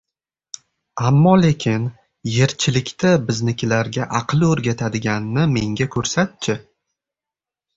Ammo-lekin, yerchilikda biznikilarga aql o‘rgatadiganni menga ko‘rsat-chi